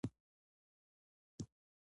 افغانستان د اوږده غرونه کوربه دی.